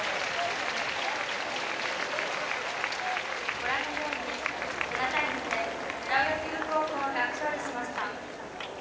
ご覧のように７対２で浦和学院高校が勝利しました。